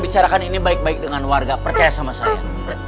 bicarakan ini baik baik dengan warga percaya sama saya